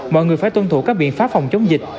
mọi người phải tuân thủ các biện pháp phòng chống dịch